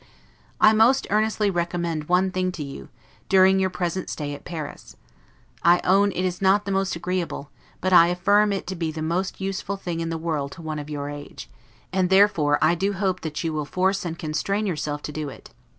I most earnestly recommend one thing to you, during your present stay at Paris. I own it is not the most agreeable; but I affirm it to be the most useful thing in the world to one of your age; and therefore I do hope that you will force and constrain yourself to do it.